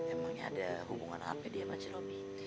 emangnya ada hubungan hp dia sama ciro mi